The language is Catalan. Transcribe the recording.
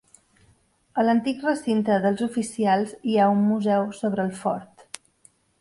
A l'antic recinte dels oficials hi ha un museu sobre el fort.